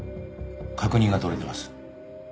確認が取れてます。